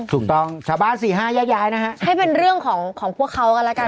ถูกตรงสหบานสี่ห้าย้ายนะฮะเป็นเรื่องของของพวกเขาก็ละกัน